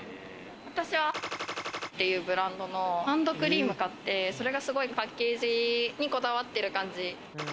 私は、っていうブランドのハンドクリームを買って、それがすごいパッケージにこだわっている感じ。